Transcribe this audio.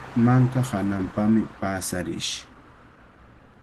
Manka hananpami paasarish.